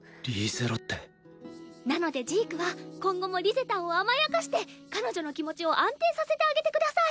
なのでジークは今後もリゼたんを甘やかして彼女の気持ちを安定させてあげてください。